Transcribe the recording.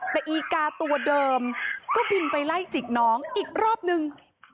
แต่อีกาตัวเดิมก็บินไปไล่จิกน้องอีกรอบนึง